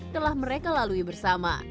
telah mereka lalui bersama